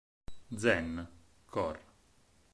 Zen, cor.